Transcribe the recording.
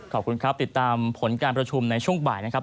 ขอบคุณครับติดตามผลการประชุมในช่วงบ่ายนะครับ